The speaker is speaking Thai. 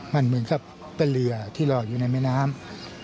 มันเหมือนกับเป็นเรือที่รออยู่ในแม่น้ำ